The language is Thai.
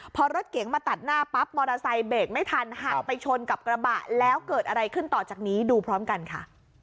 พอรถเก๋งมาตัดหน้าปั๊บมอเตอร์ไซค์เบรกไม่ทันหักไปชนกับกระบะแล้วเกิดอะไรขึ้นต่อจากนี้ดูพร้อมกันค่ะ